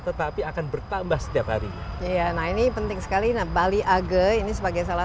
tetapi akan bertambah setiap hari ya nah ini penting sekali bali age ini sebagai salah